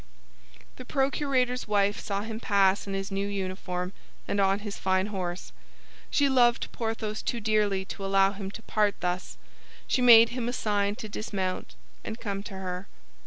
The procurator's wife saw him pass in his new uniform and on his fine horse. She loved Porthos too dearly to allow him to part thus; she made him a sign to dismount and come to her.